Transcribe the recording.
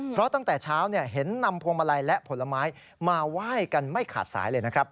เพราะตั้งแต่เช้าเห็นนำพวงมาลัยและผลไม้มาไหว้กันไม่ขาดสายเลยนะครับ